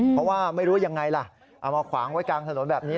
เพราะว่าไม่รู้ยังไงล่ะเอามาขวางไว้กลางถนนแบบนี้